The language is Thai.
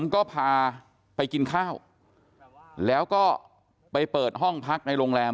ก็พาไปกินข้าวแล้วก็ไปเปิดห้องพักในโรงแรม